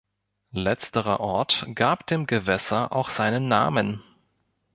Letzterer Ort gab dem Gewässer auch seinen Namen.